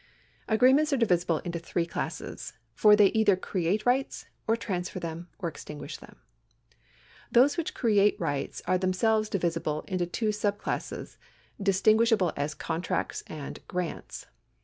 Agreements are divisible into three classes, for they either create rights, or transfer them, or extinguish them. Those 308 TITLES [§ 123 which create rights are themselves divisible into two sub classes, distinguishable as contracts and grants.